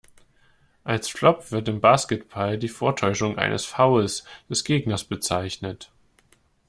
Als Flop wird im Basketball die Vortäuschung eines Fouls des Gegners bezeichnet.